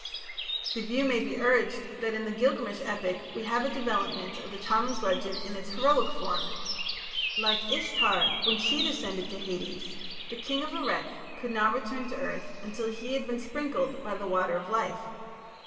The view may be urged that in the Gilgamesh epic we have a development of the Tammuz legend in its heroic form. Like Ishtar, when she descended to Hades, the King of Erech could not return to earth until he had been sprinkled by the water of life.